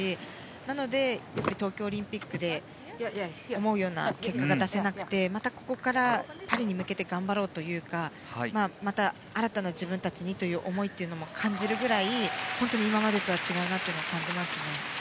なので、やっぱり東京オリンピックで思うような結果が出せなくてまたここからパリに向けて頑張ろうというかまた、新たな自分たちという思いも感じるくらい、本当に今までとは違うなと感じますね。